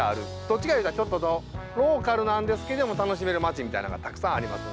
どっちかいうたら、ちょっとローカルなんですけど楽しめる町みたいなんがたくさんあります。